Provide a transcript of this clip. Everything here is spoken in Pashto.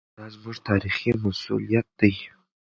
دا زموږ تاریخي مسوولیت دی.